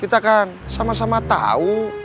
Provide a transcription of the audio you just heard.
kita akan sama sama tahu